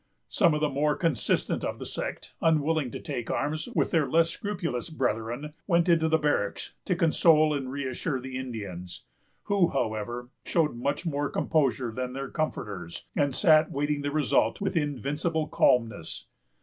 Some of the more consistent of the sect, unwilling to take arms with their less scrupulous brethren, went into the barracks to console and reassure the Indians; who, however, showed much more composure than their comforters, and sat waiting the result with invincible calmness.